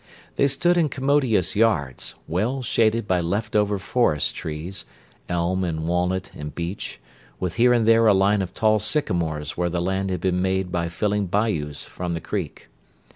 They stood in commodious yards, well shaded by leftover forest trees, elm and walnut and beech, with here and there a line of tall sycamores where the land had been made by filling bayous from the creek.